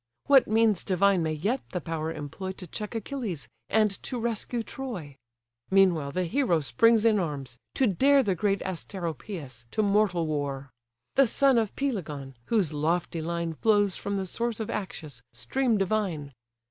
What means divine may yet the power employ To check Achilles, and to rescue Troy? Meanwhile the hero springs in arms, to dare The great Asteropeus to mortal war; The son of Pelagon, whose lofty line Flows from the source of Axius, stream divine!